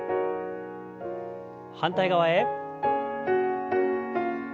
反対側へ。